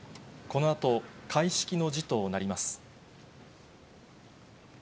このあと開式の辞となります。